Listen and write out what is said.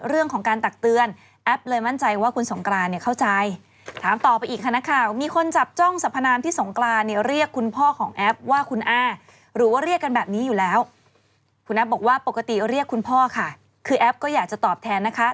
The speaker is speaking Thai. เออเพราะม่าพญานาคนั่งเขาบอกว่าเฝ้าสมบัติอยู่ตรงหนองน้ำ